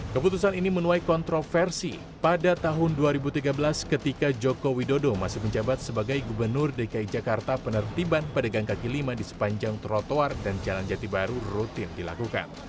keputusan ini menuai kontroversi pada tahun dua ribu tiga belas ketika joko widodo masih menjabat sebagai gubernur dki jakarta penertiban pedagang kaki lima di sepanjang trotoar dan jalan jati baru rutin dilakukan